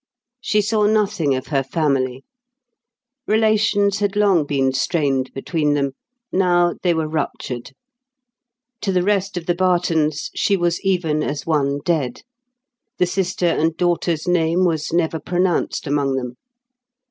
She saw nothing of her family. Relations had long been strained between them; now they were ruptured. To the rest of the Bartons, she was even as one dead; the sister and daughter's name was never pronounced among them.